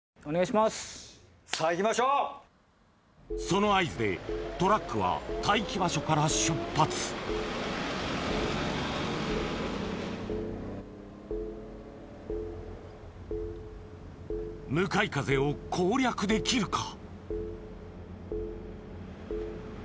その合図でトラックは待機場所から出発向かい風を攻略できるか？